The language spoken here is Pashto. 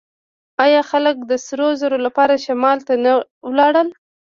آیا خلک د سرو زرو لپاره شمال ته نه لاړل؟